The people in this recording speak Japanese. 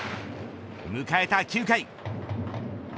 迎えた９回。